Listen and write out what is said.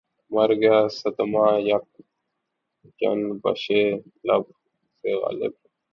مرگیا صدمہٴ یک جنبشِ لب سے غالب